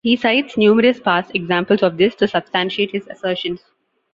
He cites numerous past examples of this to substantiate his assertions.